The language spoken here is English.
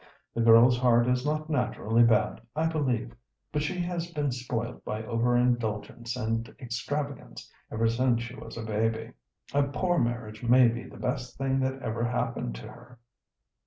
The girl's heart is not naturally bad, I believe; but she has been spoilt by over indulgence and extravagance ever since she was a baby. A poor marriage may be the best thing that ever happened to her.